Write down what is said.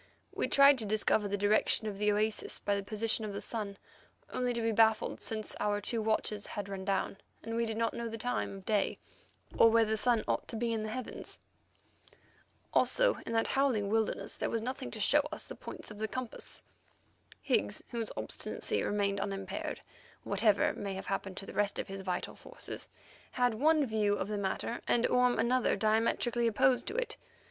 We tried to discover the direction of the oasis by the position of the sun, only to be baffled, since our two watches had run down, and we did not know the time of day or where the sun ought to be in the heavens. Also, in that howling wilderness there was nothing to show us the points of the compass. Higgs, whose obstinacy remained unimpaired, whatever may have happened to the rest of his vital forces, had one view of the matter, and Orme another diametrically opposed to it.